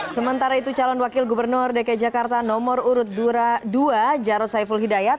sementara itu calon wakil gubernur dki jakarta nomor urut dua jarod saiful hidayat